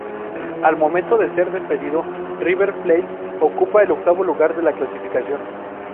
Al momento de ser despedido, River Plate ocupaba el octavo lugar de la clasificación.